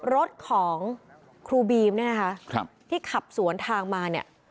รถของครูบีมเนี่ยนะคะที่ขับสวนทางมาเนี่ย